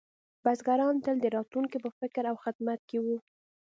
بزګران تل د راتلونکي په فکر او خدمت کې وو.